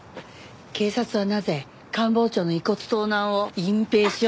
警察はなぜ官房長の遺骨盗難を隠蔽しようとしてたんですか？